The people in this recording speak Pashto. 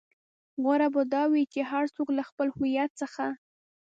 غوره به دا وي چې هر څوک له خپل هويت څخه.